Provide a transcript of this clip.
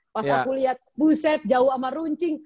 pas aku liat buset jauh sama runcing